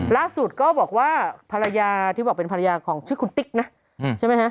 ล่าสุดก็บอกว่าภรรยาที่บอกเป็นภรรยาของชื่อคุณติ๊กนะใช่ไหมฮะ